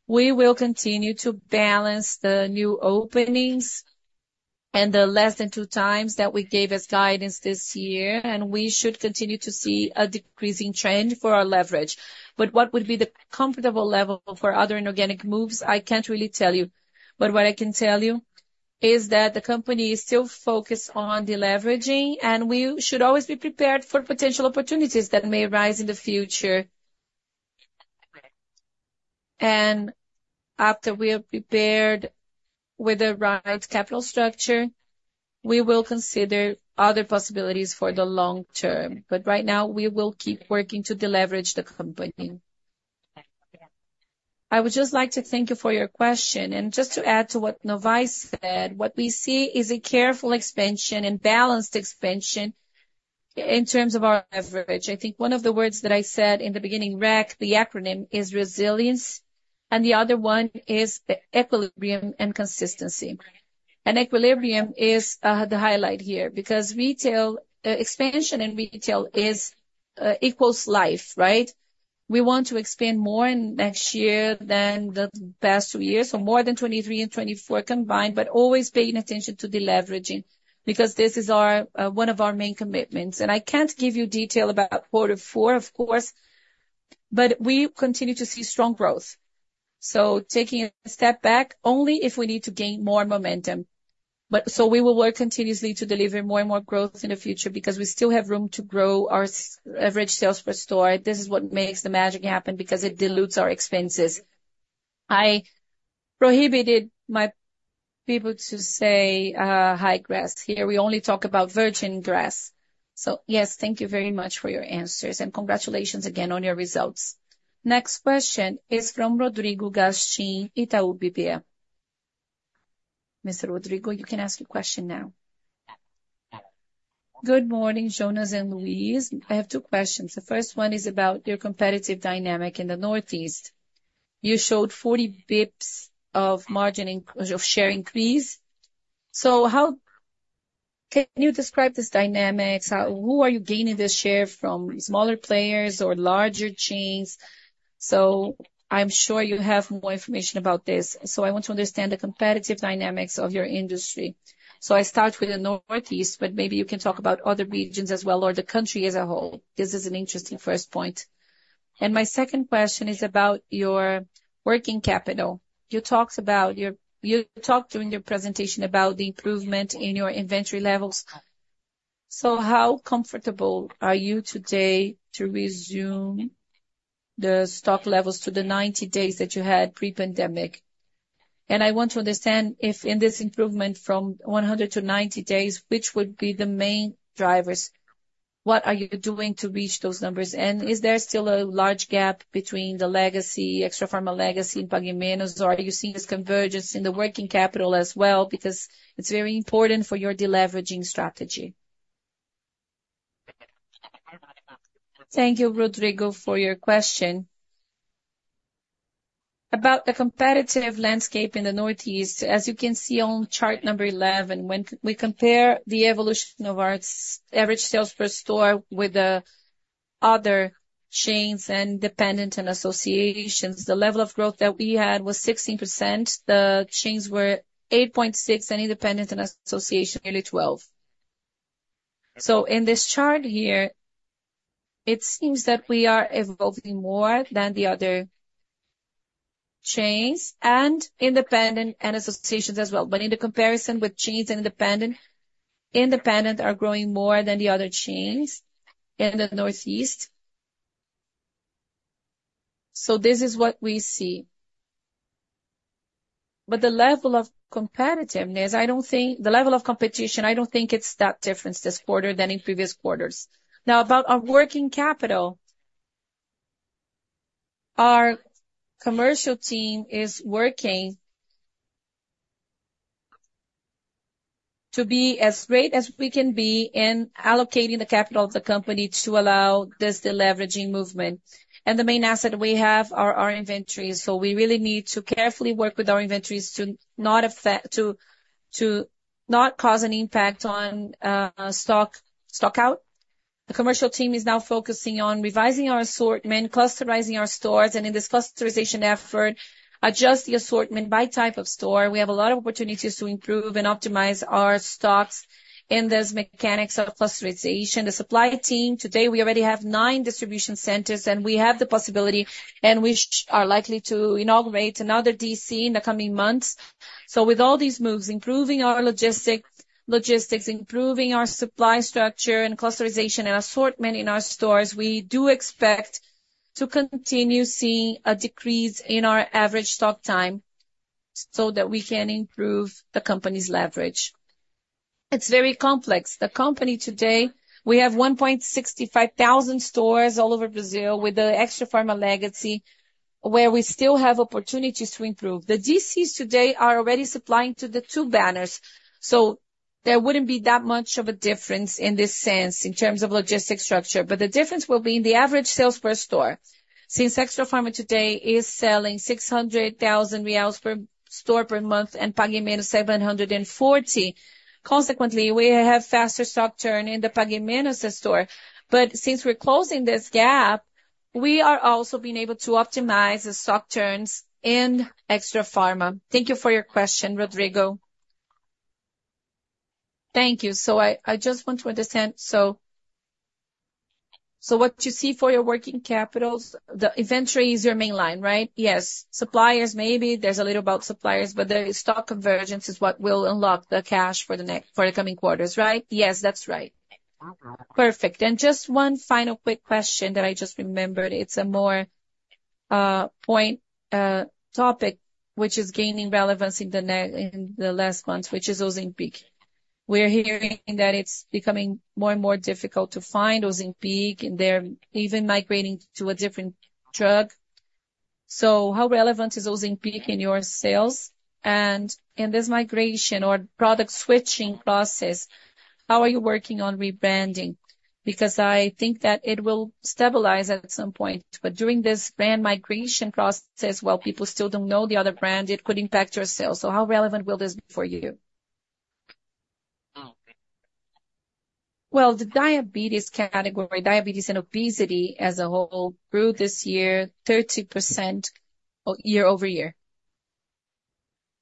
We will continue to balance the new openings and the less than two times that we gave as guidance this year, and we should continue to see a decreasing trend for our leverage. What would be the comfortable level for other inorganic moves? I can't really tell you. But what I can tell you is that the company is still focused on deleveraging, and we should always be prepared for potential opportunities that may arise in the future. And after we are prepared with the right capital structure, we will consider other possibilities for the long term. But right now, we will keep working to deleverage the company. I would just like to thank you for your question. And just to add to what Novais said, what we see is a careful expansion and balanced expansion in terms of our leverage. I think one of the words that I said in the beginning, REC, the acronym, is resilience, and the other one is equilibrium and consistency. And equilibrium is the highlight here because expansion in retail equals life, right? We want to expand more next year than the past two years, so more than 2023 and 2024 combined, but always paying attention to deleveraging because this is one of our main commitments, and I can't give you detail about quarter four, of course, but we continue to see strong growth, so taking a step back only if we need to gain more momentum, so we will work continuously to deliver more and more growth in the future because we still have room to grow our average sales per store. This is what makes the magic happen because it dilutes our expenses. I prohibited my people to say high grass here. We only talk about virgin grass, So yes, thank you very much for your answers, and congratulations again on your results. Next question is from Rodrigo Gastim, Itaú BBA. Mr. Rodrigo, you can ask your question now. Good morning, Jonas and Luiz. I have two questions. The first one is about your competitive dynamic in the Northeast. You showed 40 basis points of share increase, so can you describe this dynamic? Who are you gaining this share from, smaller players or larger chains? I'm sure you have more information about this, so I want to understand the competitive dynamics of your industry. I start with the Northeast, but maybe you can talk about other regions as well or the country as a whole. This is an interesting first point, and my second question is about your working capital. You talked during your presentation about the improvement in your inventory levels. So how comfortable are you today to resume the stock levels to the 90 days that you had pre-pandemic? I want to understand if in this improvement from 100 to 90 days, which would be the main drivers? What are you doing to reach those numbers? And is there still a large gap between the legacy Extrafarma legacy in Pague Menos, or are you seeing this convergence in the working capital as well? Because it's very important for your deleveraging strategy. Thank you, Rodrigo, for your question. About the competitive landscape in the Northeast, as you can see on chart number 11, when we compare the evolution of our average sales per store with the other chains and independents and associations, the level of growth that we had was 16%. The chains were 8.6% and independents and associations nearly 12%. So in this chart here, it seems that we are evolving more than the other chains and independents and associations as well. But in the comparison with chains and independent, independent are growing more than the other chains in the Northeast. So this is what we see. But the level of competitiveness, I don't think the level of competition, I don't think it's that difference this quarter than in previous quarters. Now, about our working capital, our commercial team is working to be as great as we can be in allocating the capital of the company to allow this deleveraging movement. And the main asset we have are our inventories. So we really need to carefully work with our inventories to not cause an impact on stockout. The commercial team is now focusing on revising our assortment, clusterizing our stores, and in this clusterization effort, adjust the assortment by type of store. We have a lot of opportunities to improve and optimize our stocks in this mechanics of clusterization. The supply team today we already have nine distribution centers, and we have the possibility, and we are likely to inaugurate another DC in the coming months. So with all these moves, improving our logistics, improving our supply structure and clusterization and assortment in our stores, we do expect to continue seeing a decrease in our average stock time so that we can improve the company's leverage. It's very complex. The company today we have 1.65 thousand stores all over Brazil with the Extrafarma legacy where we still have opportunities to improve. The DCs today are already supplying to the two banners, so there wouldn't be that much of a difference in this sense in terms of logistics structure, but the difference will be in the average sales per store. Since Extrafarma today is selling 600,000 reais per store per month and Pague Menos 740,000, consequently, we have faster stock turn in the Pague Menos store. But since we're closing this gap, we are also being able to optimize the stock turns in Extrafarma. Thank you for your question, Rodrigo. Thank you. So I just want to understand. So what you see for your working capitals, the inventory is your main line, right? Yes. Suppliers, maybe there's a little about suppliers, but the stock convergence is what will unlock the cash for the coming quarters, right? Yes, that's right. Perfect. And just one final quick question that I just remembered. It's a more point topic, which is gaining relevance in the last months, which is Ozempic. We're hearing that it's becoming more and more difficult to find Ozempic, and they're even migrating to a different drug. How relevant is Ozempic in your sales? And in this migration or product switching process, how are you working on rebranding? Because I think that it will stabilize at some point. But during this brand migration process, while people still don't know the other brand, it could impact your sales. So how relevant will this be for you? The diabetes category, diabetes and obesity as a whole grew this year, 30% year over year.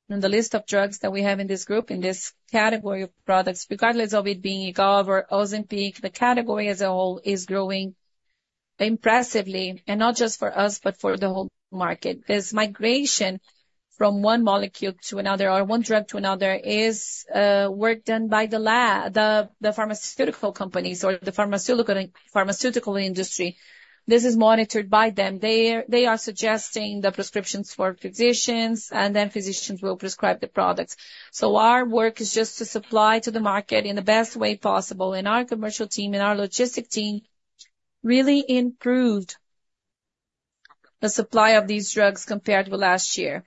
And the list of drugs that we have in this group, in this category of products, regardless of it being Wegovy or Ozempic, the category as a whole is growing impressively, and not just for us, but for the whole market. This migration from one molecule to another or one drug to another is work done by the pharmaceutical companies or the pharmaceutical industry. This is monitored by them. They are suggesting the prescriptions for physicians, and then physicians will prescribe the products. So our work is just to supply to the market in the best way possible. And our commercial team, in our logistic team, really improved the supply of these drugs compared with last year.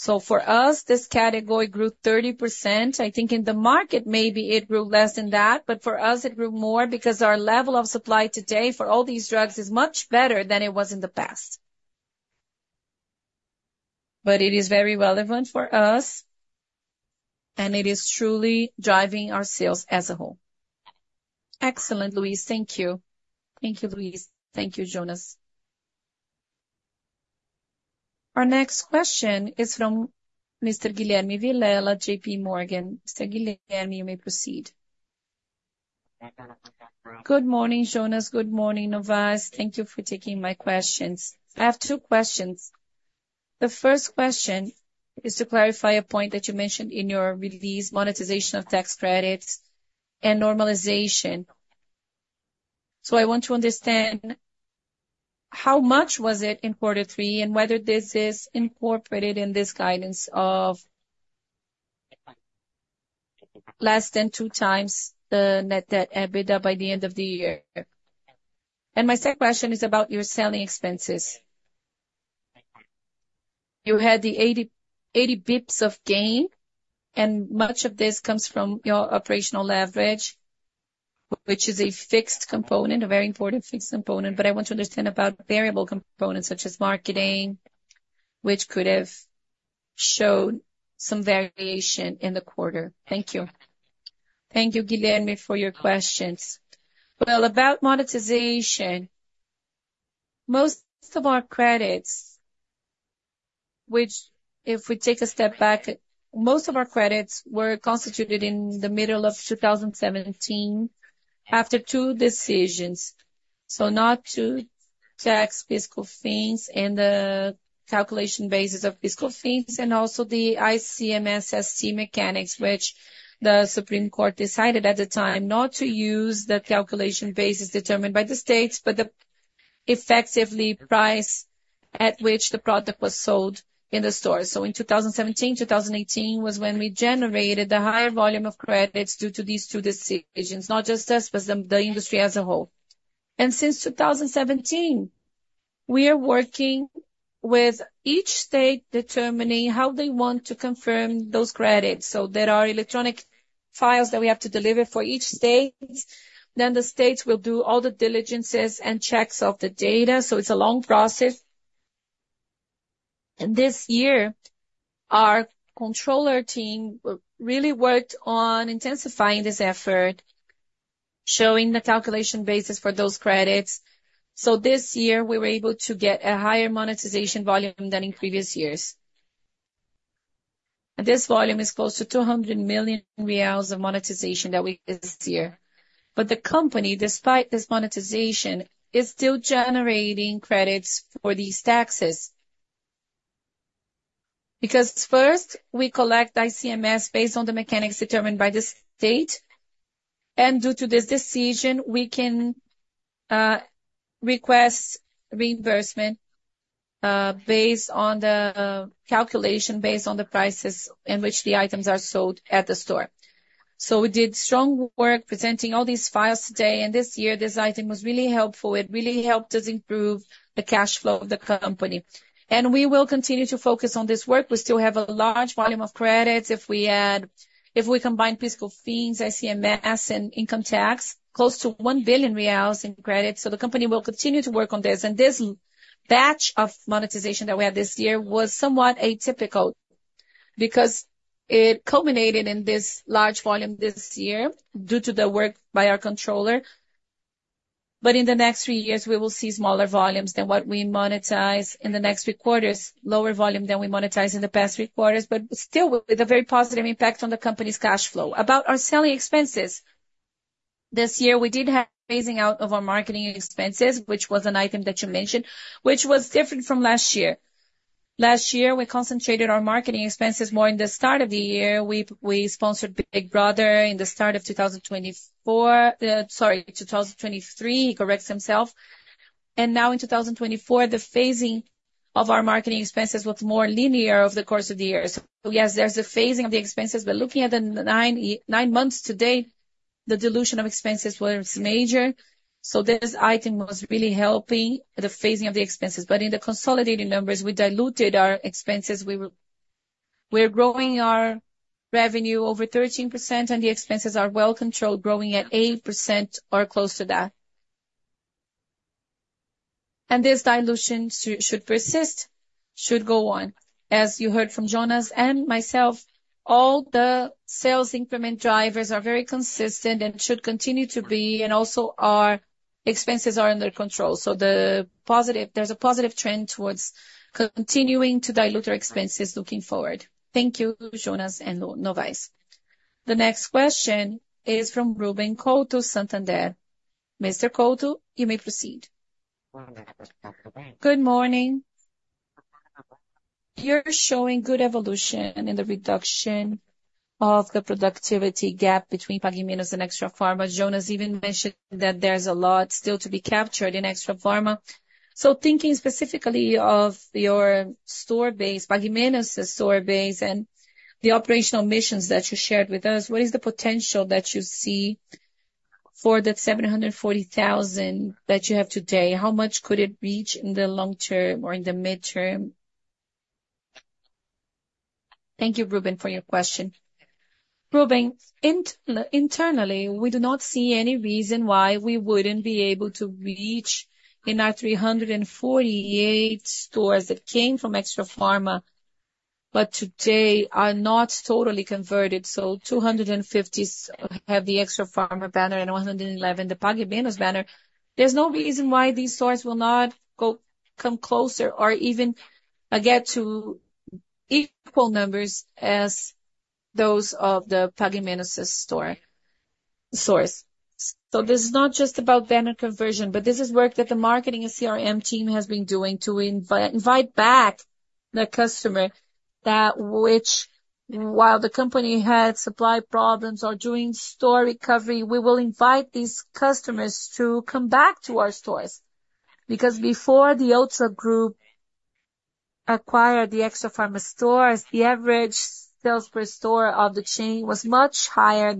So for us, this category grew 30%. I think in the market, maybe it grew less than that, but for us, it grew more because our level of supply today for all these drugs is much better than it was in the past. But it is very relevant for us, and it is truly driving our sales as a whole. Excellent, Luiz. Thank you. Thank you, Luiz. Thank you, Jonas. Our next question is from Mr. Guilherme Vilela, J.P. Morgan. Mr. Guilherme, you may proceed. Good morning, Jonas. Good morning, Novais. Thank you for taking my questions. I have two questions. The first question is to clarify a point that you mentioned in your release, monetization of tax credits and normalization. So I want to understand how much was it in quarter three and whether this is incorporated in this guidance of less than two times the net debt EBITDA by the end of the year. And my second question is about your selling expenses. You had the 80 basis points of gain, and much of this comes from your operational leverage, which is a fixed component, a very important fixed component. But I want to understand about variable components such as marketing, which could have showed some variation in the quarter. Thank you. Thank you, Guilherme, for your questions. Well, about monetization, most of our credits, which if we take a step back, most of our credits were constituted in the middle of 2017 after two decisions. So not to tax PIS/COFINS and the calculation basis of PIS/COFINS and also the ICMS mechanics, which the Supreme Court decided at the time not to use the calculation basis determined by the states, but the effective price at which the product was sold in the store. So in 2017, 2018 was when we generated the higher volume of credits due to these two decisions, not just us, but the industry as a whole. And since 2017, we are working with each state determining how they want to confirm those credits. So there are electronic files that we have to deliver for each state. Then the states will do all the diligences and checks of the data. So it's a long process. And this year, our controller team really worked on intensifying this effort, showing the calculation basis for those credits. This year, we were able to get a higher monetization volume than in previous years. And this volume is close to 200 million reais of monetization that we this year. But the company, despite this monetization, is still generating credits for these taxes. Because first, we collect ICMS based on the mechanics determined by the state. And due to this decision, we can request reimbursement based on the calculation based on the prices in which the items are sold at the store. So we did strong work presenting all these files today. And this year, this item was really helpful. It really helped us improve the cash flow of the company. And we will continue to focus on this work. We still have a large volume of credits if we combine PIS/COFINS, ICMS, and income tax, close to 1 billion reais in credits. The company will continue to work on this. This batch of monetization that we had this year was somewhat atypical because it culminated in this large volume this year due to the work by our controller. In the next three years, we will see smaller volumes than what we monetize in the next three quarters, lower volume than we monetize in the past three quarters, but still with a very positive impact on the company's cash flow. About our selling expenses, this year, we did have phasing out of our marketing expenses, which was an item that you mentioned, which was different from last year. Last year, we concentrated our marketing expenses more in the start of the year. We sponsored Big Brother in the start of 2024, sorry, 2023. And now in 2024, the phasing of our marketing expenses was more linear over the course of the year. So yes, there's the phasing of the expenses, but looking at the nine months today, the dilution of expenses was major. So this item was really helping the phasing of the expenses. But in the consolidated numbers, we diluted our expenses. We're growing our revenue over 13%, and the expenses are well controlled, growing at 8% or close to that. And this dilution should persist, should go on. As you heard from Jonas and myself, all the sales increment drivers are very consistent and should continue to be, and also our expenses are under control. So there's a positive trend towards continuing to dilute our expenses looking forward. Thank you, Jonas and Novais. The next question is from Ruben Couto, Santander. Mr. Couto, you may proceed. Good morning. You're showing good evolution in the reduction of the productivity gap between Pague Menos and Extrafarma. Jonas even mentioned that there's a lot still to be captured in Extrafarma. So thinking specifically of your store base, Pague Menos' store base, and the operational missions that you shared with us, what is the potential that you see for the 740,000 that you have today? How much could it reach in the long term or in the midterm? Thank you, Ruben, for your question. Ruben, internally, we do not see any reason why we wouldn't be able to reach in our 348 stores that came from Extrafarma, but today are not totally converted. So 250 have the Extrafarma banner and 111 the Pague Menos banner. There's no reason why these stores will not come closer or even get to equal numbers as those of the Pague Menos' store. This is not just about banner conversion, but this is work that the marketing and CRM team has been doing to invite back the customers that, while the company had supply problems or during store recovery, we will invite these customers to come back to our stores. Because before the Ultra Group acquired the Extrafarma stores, the average sales per store of the chain was much higher.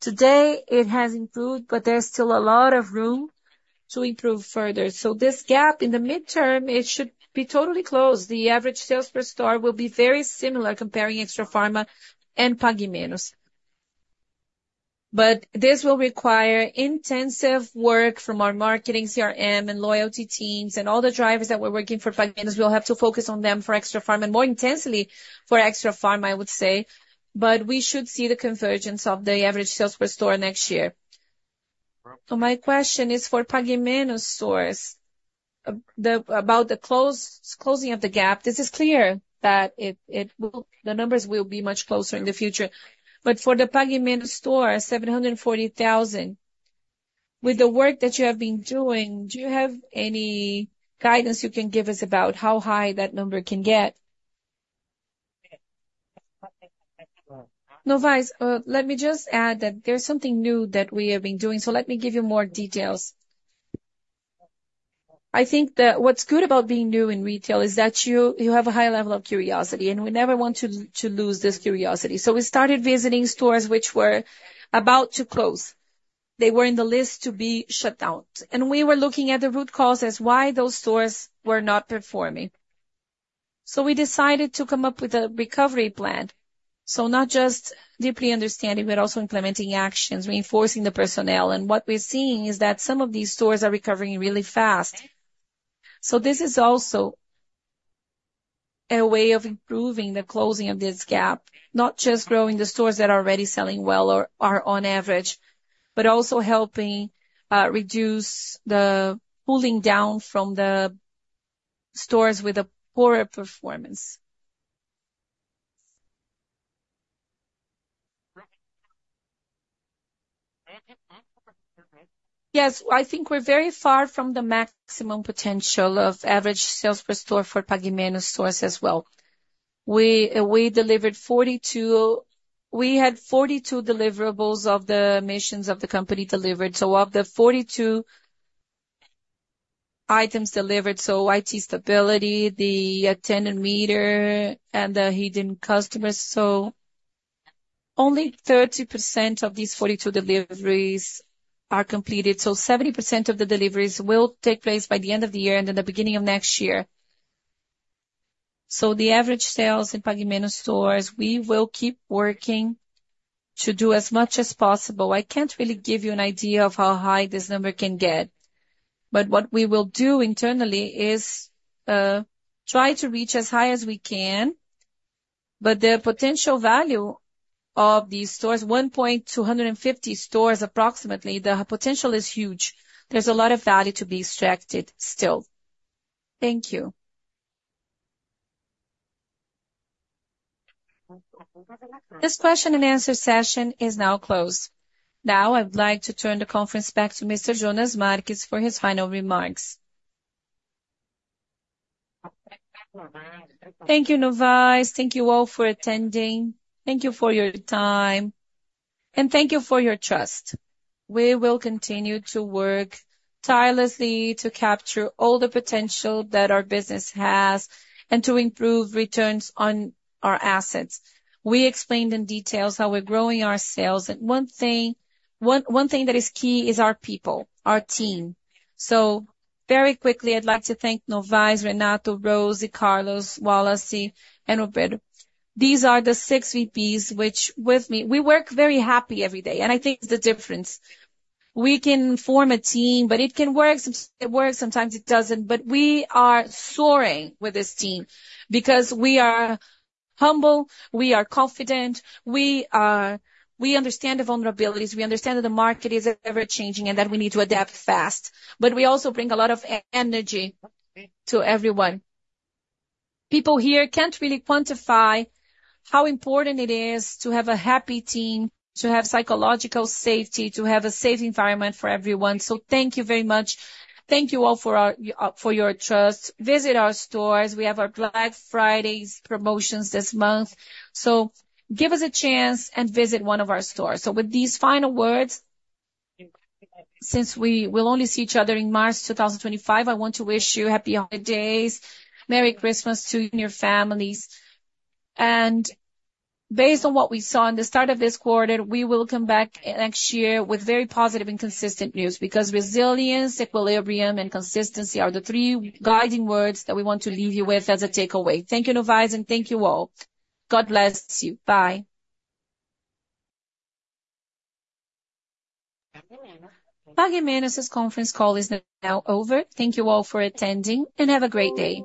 Today, it has improved, but there's still a lot of room to improve further. This gap in the midterm, it should be totally closed. The average sales per store will be very similar comparing Extrafarma and Pague Menos. But this will require intensive work from our marketing, CRM, and loyalty teams, and all the drivers that we're working for Pague Menos. We'll have to focus on them for Extrafarma and more intensely for Extrafarma, I would say. But we should see the convergence of the average sales per store next year. So my question is for Pague Menos stores, about the closing of the gap. This is clear that the numbers will be much closer in the future. But for the Pague Menos store, 740,000, with the work that you have been doing, do you have any guidance you can give us about how high that number can get? Novais, let me just add that there's something new that we have been doing. So let me give you more details. I think that what's good about being new in retail is that you have a high level of curiosity, and we never want to lose this curiosity. So we started visiting stores which were about to close. They were in the list to be shut down, and we were looking at the root causes why those stores were not performing, so we decided to come up with a recovery plan, so not just deeply understanding, but also implementing actions, reinforcing the personnel, and what we're seeing is that some of these stores are recovering really fast, so this is also a way of improving the closing of this gap, not just growing the stores that are already selling well or are on average, but also helping reduce the pulling down from the stores with a poorer performance. Yes, I think we're very far from the maximum potential of average sales per store for Pague Menos stores as well. We delivered 42. We had 42 deliverables of the missions of the company delivered. Of the 42 items delivered, IT stability, the attendance meter, and the hidden customers. Only 30% of these 42 deliveries are completed. 70% of the deliveries will take place by the end of the year and in the beginning of next year. The average sales in Pague Menos stores, we will keep working to do as much as possible. I can't really give you an idea of how high this number can get. But what we will do internally is try to reach as high as we can. The potential value of these stores, 1,250 stores approximately, the potential is huge. There's a lot of value to be extracted still. Thank you. This question and answer session is now closed. Now, I'd like to turn the conference back to Mr. Jonas Marques for his final remarks. Thank you, Novais. Thank you all for attending. Thank you for your time, and thank you for your trust. We will continue to work tirelessly to capture all the potential that our business has and to improve returns on our assets. We explained in detail how we're growing our sales, and one thing that is key is our people, our team, so very quickly, I'd like to thank Novais, Renato, Robledo, Carlos, Wallace, and Roberto. These are the six VPs with me. We work very happily every day, and I think it's the difference. We can form a team, but it can work. Sometimes it doesn't, but we are soaring with this team because we are humble, we are confident, we understand the vulnerabilities, we understand that the market is ever-changing and that we need to adapt fast. But we also bring a lot of energy to everyone. People here can't really quantify how important it is to have a happy team, to have psychological safety, to have a safe environment for everyone, so thank you very much. Thank you all for your trust. Visit our stores. We have our Black Friday promotions this month, so give us a chance and visit one of our stores, so with these final words, since we will only see each other in March 2025, I want to wish you happy holidays, Merry Christmas to your families, and based on what we saw in the start of this quarter, we will come back next year with very positive and consistent news because resilience, equilibrium, and consistency are the three guiding words that we want to leave you with as a takeaway. Thank you, Novais, and thank you all. God bless you. Bye. Pague Menos' conference call is now over. Thank you all for attending and have a great day.